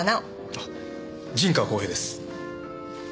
あ陣川公平です。